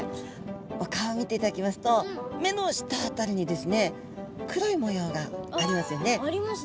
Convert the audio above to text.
お顔を見ていただきますと目の下辺りにですね黒い模様がありますよね？ありますね。